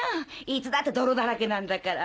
いつだって泥だらけなんだから。